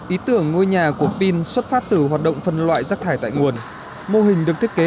ý tưởng ngôi nhà của pin xuất phát từ hoạt động phân loại rác thải tại nguồn mô hình được thiết kế